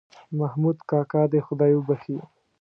محمود کاکا دې خدای وبښې.